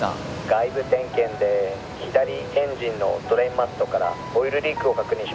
「外部点検で左エンジンのドレインマストからオイルリークを確認しました」